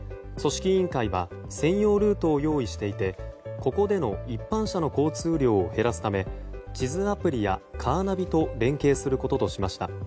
組織委員会は専用ルートを用意していてここでの一般車の交通量を減らすため地図アプリやカーナビと連携することとしました。